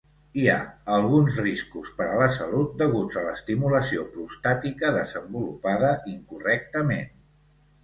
Hi ha alguns riscos per a la salut deguts a l'estimulació prostàtica desenvolupada incorrectament.